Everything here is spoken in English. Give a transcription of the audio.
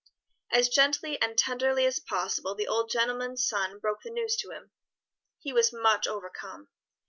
As gently and tenderly as possible the old gentleman's son broke the news to him. He was much overcome.